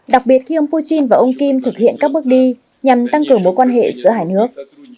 đặc biệt khi ông putin và ông kim thực hiện các bước đi nhằm tăng cường mối quan hệ giữa hai nước